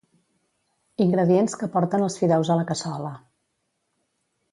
Ingredients que porten els fideus a la cassola.